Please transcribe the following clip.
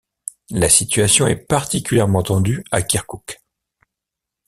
La situation est particulièrement tendue à Kirkouk.